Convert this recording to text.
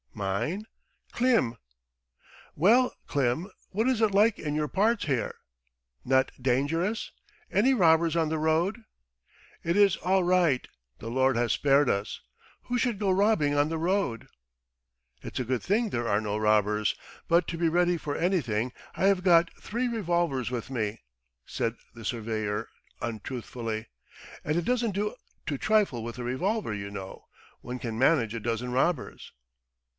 "Mine? Klim." "Well, Klim, what is it like in your parts here? Not dangerous? Any robbers on the road?" "It is all right, the Lord has spared us. ... Who should go robbing on the road?" "It's a good thing there are no robbers. But to be ready for anything I have got three revolvers with me," said the surveyor untruthfully. "And it doesn't do to trifle with a revolver, you know. One can manage a dozen robbers.